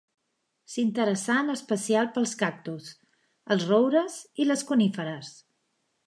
S'interessà en especial pels cactus, els roures i les coníferes.